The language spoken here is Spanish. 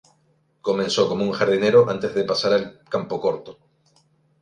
Comenzó como un jardinero antes de pasar al campocorto.